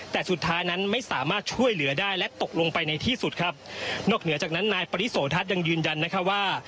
แต่สุดท้ายนั้นไม่สามารถช่วยเหลือได้และตกลงไปในที่สุดครับนอกเหนือจากนั้นนายปริโสทัศน์ยังยืนยันนะคะว่า